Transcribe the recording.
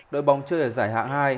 đội bóng chơi ở giải hạng hai